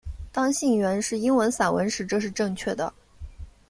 当信源是英文散文时这是正确的。